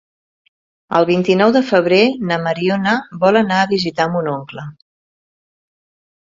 El vint-i-nou de febrer na Mariona vol anar a visitar mon oncle.